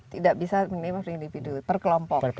tidak bisa menerima per individu per kelompok